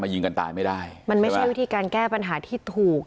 ยิงกันตายไม่ได้มันไม่ใช่วิธีการแก้ปัญหาที่ถูก